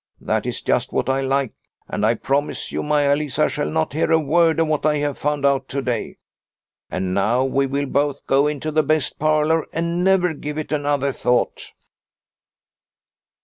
That is just what I like, and I promise you Maia Lisa shall not hear a word of what I have found out to day. And now we will both go into the best parlour and never give it another thought."